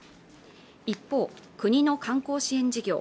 一方国の観光支援事業